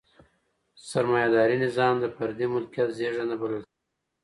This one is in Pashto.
سرمايداري نظام د فردي ملکیت زیږنده بلل کېږي.